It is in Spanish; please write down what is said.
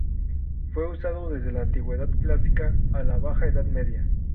Fue usado desde la Antigüedad Clásica a la Baja Edad Media.